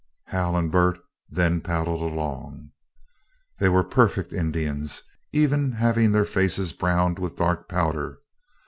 Hal and Bert then paddled along. They were perfect Indians, even having their faces browned with dark powder.